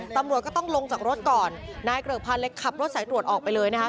ตำรวจก็ต้องลงจากรถก่อนนายเกริกพันธ์เลยขับรถสายตรวจออกไปเลยนะคะ